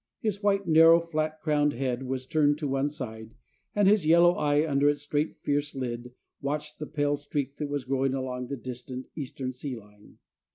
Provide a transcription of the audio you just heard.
His white, narrow, flat crowned head was turned to one side, and his yellow eye, under its straight, fierce lid, watched the pale streak that was growing along the distant eastern sea line.